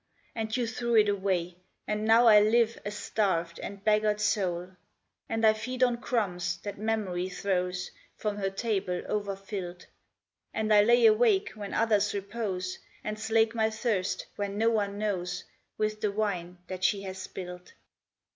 And you threw it away, and now I live A starved and beggared soul. And I feed on crumbs that memory throws From her table over filled, And I lay awake when others repose, And slake my thirst when no one knows, With the wine that she has spilled.